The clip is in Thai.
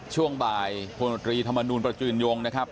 ช่วงบ่ายพลตรีธรรมนูลประจืนยงนะครับ